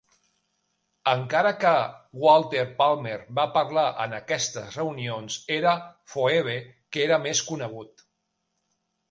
Encara que Walter Palmer va parlar en aquestes reunions, era Phoebe que era més conegut.